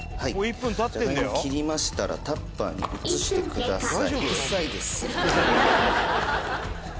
「じゃがいも切りましたらタッパーに移してください」